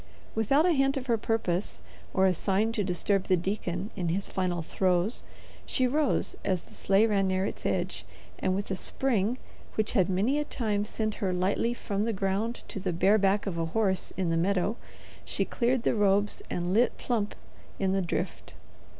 Without a hint of her purpose, or a sign to disturb the deacon in his final throes, she rose as the sleigh ran near its edge, and with a spring which had many a time sent her lightly from the ground to the bare back of a horse in the meadow, she cleared the robes and lit plump in the drift.